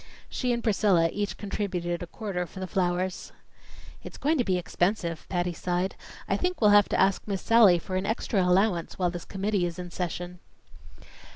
She and Priscilla each contributed a quarter for the flowers. "It's going to be expensive," Patty sighed. "I think we'll have to ask Miss Sallie for an extra allowance while this committee is in session."